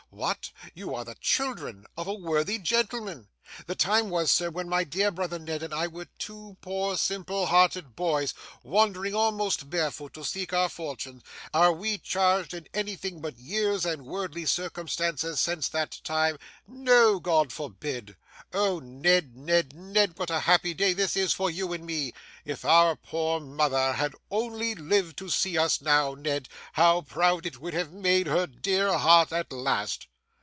What! You are the children of a worthy gentleman! The time was, sir, when my dear brother Ned and I were two poor simple hearted boys, wandering, almost barefoot, to seek our fortunes: are we changed in anything but years and worldly circumstances since that time? No, God forbid! Oh, Ned, Ned, Ned, what a happy day this is for you and me! If our poor mother had only lived to see us now, Ned, how proud it would have made her dear heart at last!